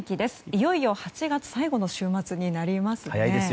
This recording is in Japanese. いよいよ８月最後の週末になりますね。